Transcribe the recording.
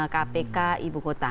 kpk ibu kota